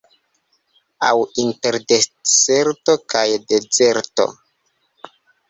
Aŭ inter deserto kaj dezerto?